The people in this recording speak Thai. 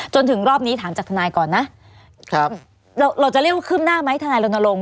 จนถึงรอบนี้ถามจากทนายก่อนนะเราจะเรียกว่าขึ้นหน้าไหมทนายรณรงค